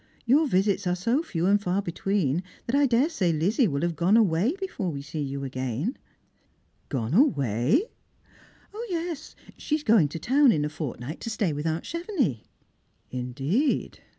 " Your visits are so few and far between that I daresay Lizzie will have gone away before we eee you again." " Gone away !" Strangers and Pilgrims. 139 " Yes ; she is going to town in a fortnight to stay with aunt Chevenix." " Indeed."